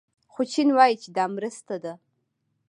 خو چین وايي چې دا مرسته ده.